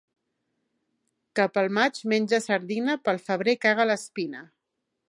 Qui pel maig menja sardina, pel febrer caga l'espina.